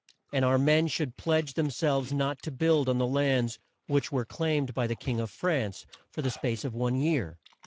And our men should pledge them selves not to build on the lands which were claimed by the King of France for the space of one year.